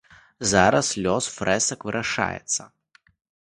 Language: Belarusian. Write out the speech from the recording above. Зараз лёс фрэсак вырашаецца.